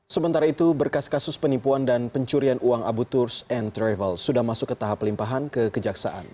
sementara itu berkas kasus penipuan dan pencurian uang abu turs and travel sudah masuk ke tahap pelimpahan ke kejaksaan